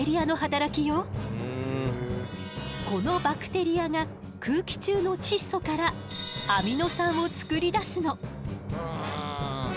このバクテリアが空気中の窒素からアミノ酸を作り出すの。